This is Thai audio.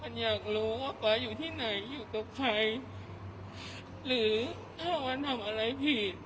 อยากรู้ว่าป๊าอยู่ที่ไหนอยู่กับใครหรือถ้าวันทำอะไรผิด